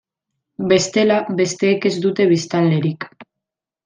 Bestela, besteek ez dute biztanlerik.